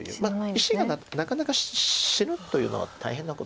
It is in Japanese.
石がなかなか死ぬっていうのは大変なことなのかな。